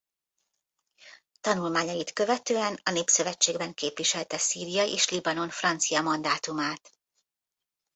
Tanulmányai követően a Népszövetségben képviselte Szíria és Libanon francia mandátumát.